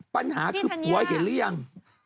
ปัญหาคือผัวเห็นหรือยัง